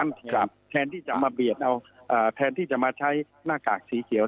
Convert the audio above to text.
แทนที่จะมาเบียดเอาแทนที่จะมาใช้หน้ากากสีเขียว